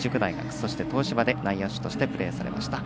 そして東芝で内野手としてプレーされました。